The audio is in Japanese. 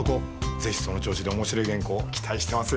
ぜひその調子で面白い原稿期待してますよ。